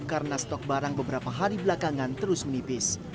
karena stok barang beberapa hari belakangan terus menipis